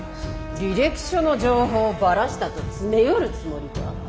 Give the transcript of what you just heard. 履歴書の情報をバラしたと詰め寄るつもりか？